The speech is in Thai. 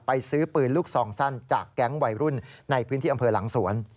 ซื้อปืนลูกซองสั้นจากแก๊งวัยรุ่นในพื้นที่อำเภอหลังสวน